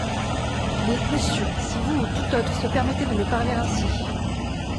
Mais, monsieur, si vous ou tout autre se permettait de me parler ainsi…